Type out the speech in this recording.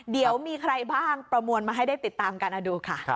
เดี๋ยวมีใครบ้างประมวลมาให้ได้ติดตามกันดูค่ะ